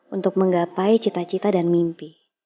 untuk menggapai cita cita dan mimpi